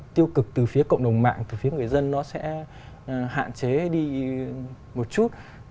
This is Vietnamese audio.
tiêu cực từ phía cộng đồng mạng từ phía người dân nó sẽ hạn chế đi một chút